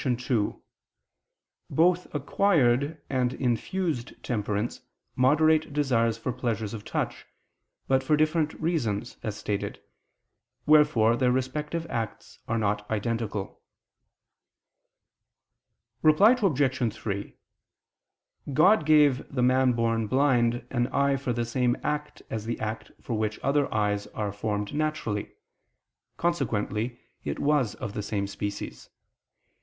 2: Both acquired and infused temperance moderate desires for pleasures of touch, but for different reasons, as stated: wherefore their respective acts are not identical. Reply Obj. 3: God gave the man born blind an eye for the same act as the act for which other eyes are formed naturally: consequently it was of the same species.